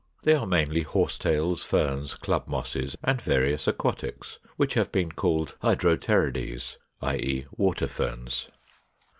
They are mainly Horsetails, Ferns, Club Mosses, and various aquatics which have been called Hydropterides, i. e. Water Ferns.